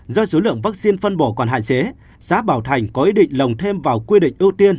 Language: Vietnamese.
do số lượng vaccine phân bổ còn hạn chế xã bảo thành có ý định lồng thêm vào quy định ưu tiên